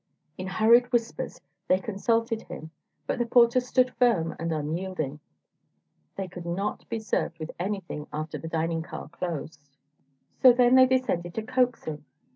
In hurried whispers they consulted him, but the porter stood firm and unyielding. They could not be served with anything after the dining car closed. So they then descended to coaxing.